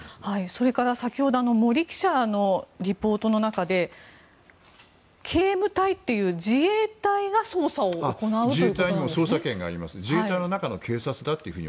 それから先ほど森記者のリポートの中で警務隊という自衛隊が捜査を行うということなんです。